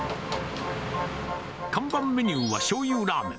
看板メニューはしょうゆラーメン。